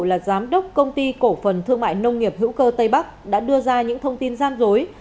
là giám đốc công ty cổ phần thương mại nông nghiệp hữu cơ tây bắc đã đưa ra những thông tin gian dối